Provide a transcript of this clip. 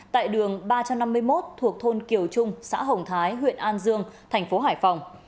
tại đường ba trăm năm mươi một thuộc thôn kiều trung xã hồng thái huyện an dương thành phố hải phòng